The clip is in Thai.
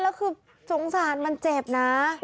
แล้วคือสงสารมันเจ็บนะ